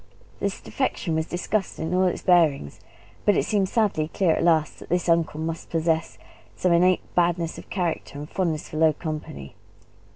The defection was discussed in all its bearings, but it seemed sadly clear at last that this uncle must possess some innate badness of character and fondness for low company.